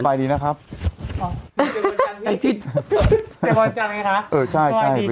สบายดีนะครับอ๋อพี่เจอเวิร์ดจันทร์พี่เจอเวิร์ดจันทร์ไงค่ะเออ